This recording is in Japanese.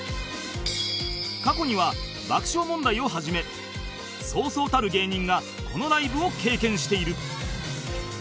過去には爆笑問題をはじめそうそうたる芸人がこのライブを経験している